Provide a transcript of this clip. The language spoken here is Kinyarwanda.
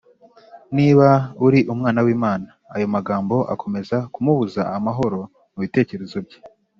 ” Niba uri Umwana w’Imana.” Ayo magambo akomeza kumubuza amahoro mu bitekerezo bye